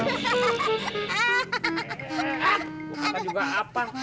bukan juga apa